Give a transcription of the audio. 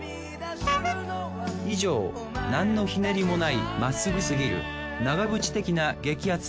以上何のひねりもないまっすぐすぎる長渕的な激アツ